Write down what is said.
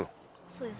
そうです。